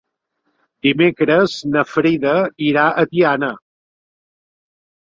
Dimecres na Frida irà a Tiana.